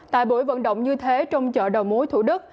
tại buổi vận động như thế trong chợ đầu mối thủ đức